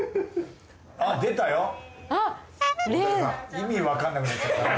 意味わかんなくなっちゃったな。